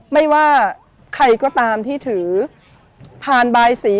ไม่ว่าใครก็ตามที่ถือผ่านบายสี